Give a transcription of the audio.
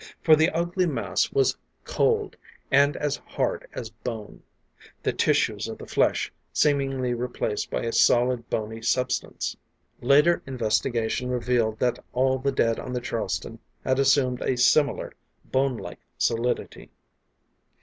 For the ugly mass was cold, and as hard as bone: the tissues of the flesh seemingly replaced by a solid, bony substance. Later investigation revealed that all the dead on the Charleston had assumed a similar, bonelike solidity.